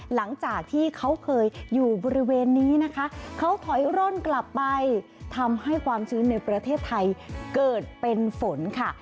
หลังจากที่เขาเคยอยู่บริเวณนี้นะคะเขาถอยร่นกลับไปทำให้ความชื้นในประเทศไทยเกิดเป็นฝนค่ะ